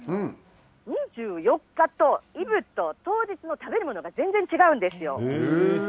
２４日と、イブと当日の食べるものが全然違うんですよ。